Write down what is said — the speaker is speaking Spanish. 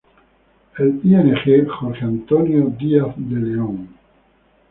El Ing. Jorge Antonio Díaz de León.